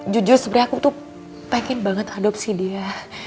jujur sebenarnya aku tuh pengen banget adopsi dia